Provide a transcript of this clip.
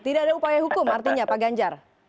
tidak ada upaya hukum artinya pak ganjar